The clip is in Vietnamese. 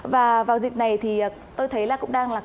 và vào dịp này thì tôi thấy là cũng đang là